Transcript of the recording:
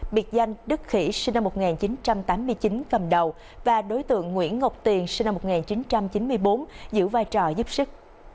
biệt danh đức khỉ sinh năm một nghìn chín trăm tám mươi chín cầm đầu và đối tượng nguyễn ngọc tiền sinh năm một nghìn chín trăm chín mươi bốn giữ vai trò giúp sức